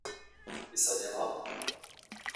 Et ça viendra ?